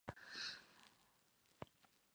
Una vez más Joey se encuentra en medio.